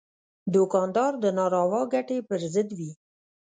دوکاندار د ناروا ګټې پر ضد وي.